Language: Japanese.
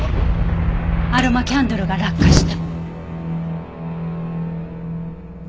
アロマキャンドルが落下した。